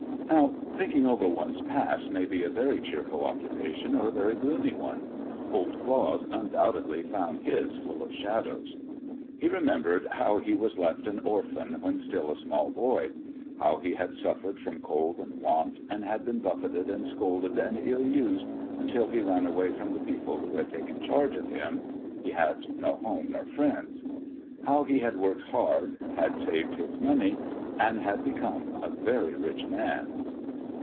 Now, thinking over one's past may be a very cheerful occupation or a very gloomy one. Old Claus undoubtedly found his full of shadows. He remembered how he was left an orphan, when still a small boy; how he had suffered from cold and want, and had been buffeted and scolded and ill used, until he ran away from the people who had taken charge of him (he had no home nor friends); how he had worked hard, had saved his money, and had become a very rich man.